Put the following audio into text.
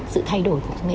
sự thay đổi của công nghệ